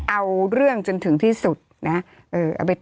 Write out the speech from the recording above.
เอาเรื่องจนถึงที่สุดนะเอาไปตัดต่อ